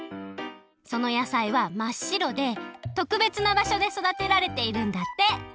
その野菜はまっしろでとくべつな場所でそだてられているんだって。